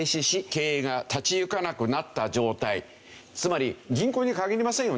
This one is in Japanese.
つまり銀行に限りませんよね。